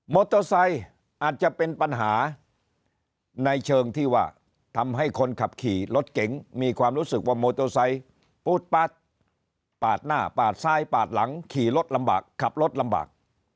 มอเตอร์ไซค์อาจจะเป็นปัญหาว่าทำให้คนขับขี่รถเก๋งมีความรู้สึกว่าโมโตไซค์ปูดปาดป้าดหน้าปาดทรายปากหลังขี่รถลำบากขับรถลำบาก